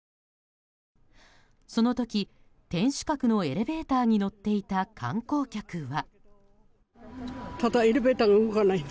その時、天守閣のエレベーターに乗っていた観光客は。